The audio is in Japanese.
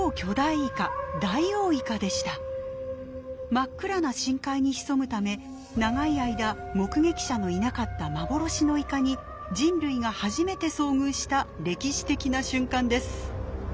真っ暗な深海に潜むため長い間目撃者のいなかった幻のイカに人類が初めて遭遇した歴史的な瞬間です。